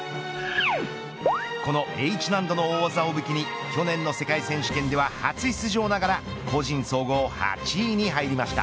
このＨ難度の大技を武器に去年の世界選手権では初出場ながら個人総合８位に入りました。